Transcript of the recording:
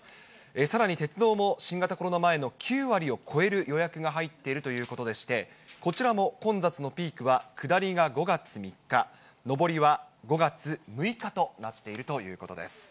さらに鉄道も新型コロナ前の９割を超える予約が入っているということでして、こちらも混雑のピークは下りが５月３日、上りは５月６日となっているということです。